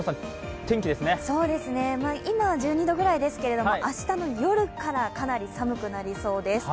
今は１２度くらいですけど、明日の夜からかなり寒くなりそうです。